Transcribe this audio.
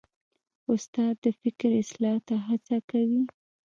استاد د فکر اصلاح ته هڅه کوي.